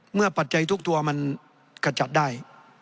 ปัจจัยทุกตัวมันกระจัดได้